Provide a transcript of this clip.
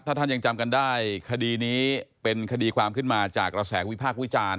ถ้าท่านยังจำกันได้คดีนี้เป็นคดีความขึ้นมาจากกระแสวิพากษ์วิจารณ์